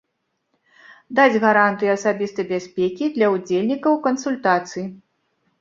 Даць гарантыі асабістай бяспекі для ўдзельнікаў кансультацый.